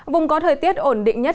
vùng có thời tiết ổn định nhất